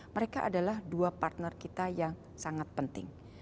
mereka adalah dua partner kita yang sangat penting